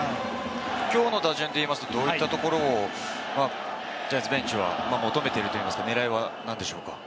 きょうの打順でいうと、どういったところをジャイアンツベンチは求めているといいますか、狙いは何でしょうか？